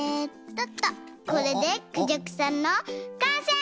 これでクジャクさんのかんせい！